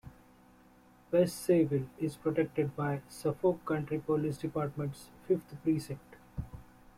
West Sayville is protected by the Suffolk County Police Department's Fifth Precinct.